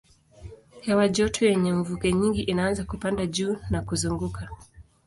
Hewa joto yenye mvuke nyingi inaanza kupanda juu na kuzunguka.